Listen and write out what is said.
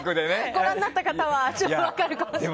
ご覧になった方は分かるかもしれません！